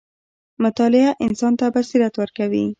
• مطالعه انسان ته بصیرت ورکوي.